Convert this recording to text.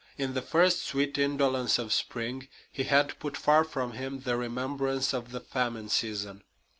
In the first sweet indolence of spring he had put far from him the remembrance of the famine season.